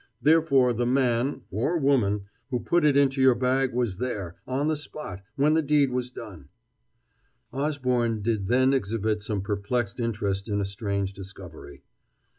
Therefore the man or woman who put it into your bag was there on the spot when the deed was done." Osborne did then exhibit some perplexed interest in a strange discovery.